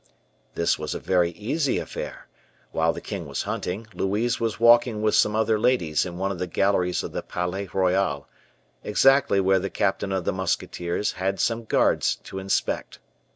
This was a very easy affair; while the king was hunting, Louise was walking with some other ladies in one of the galleries of the Palais Royal, exactly where the captain of the musketeers had some guards to inspect.